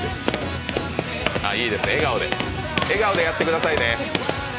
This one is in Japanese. いいですね、笑顔でやってくださいね。